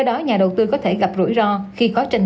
đào quất hoa chơi tết sớm